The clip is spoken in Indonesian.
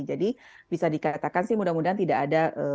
jadi bisa dikatakan sih mudah mudahan tidak ada